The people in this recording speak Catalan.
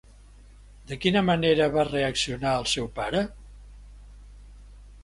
De quina manera va reaccionar el seu pare?